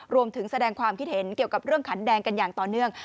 รวมถึงแสดงความคิดเห็นเกี่ยวกับเรื่องขันแดงกันอย่างต่อเนื่อง